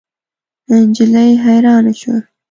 نجلۍ حیرانه شوه.